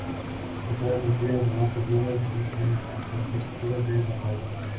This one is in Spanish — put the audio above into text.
La Ciudad Deportiva de Boca Juniors recibió premios por su arquitectura de vanguardia.